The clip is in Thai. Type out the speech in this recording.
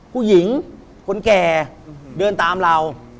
ผู้หญิงคนแก่เดินตามเรา